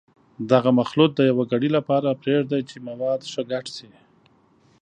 دغه مخلوط د یوې ګړۍ لپاره پرېږدئ چې مواد ښه ګډ شي.